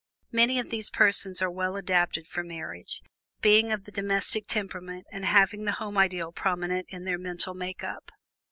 Many of these persons are well adapted for marriage, being of the domestic temperament and having the home ideal prominent in their mental makeup.